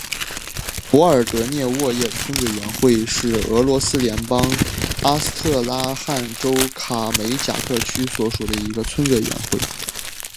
波尔德涅沃耶村委员会是俄罗斯联邦阿斯特拉罕州卡梅贾克区所属的一个村委员会。